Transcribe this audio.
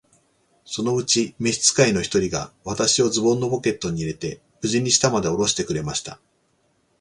そのうちに召使の一人が、私をズボンのポケットに入れて、無事に下までおろしてくれました。